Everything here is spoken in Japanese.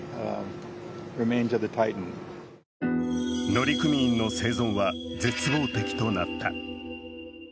乗組員の生存は絶望的となった。